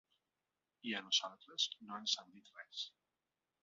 I a nosaltres no ens han dit res.